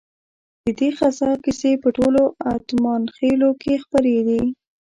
ددې غزا کیسې په ټولو اتمانخيلو کې خپرې دي.